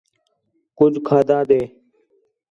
کُج کھادا ݙے